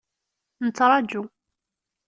Nettraǧu.